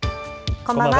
こんばんは。